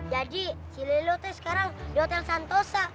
jadi si lilo tuh sekarang di hotel santosa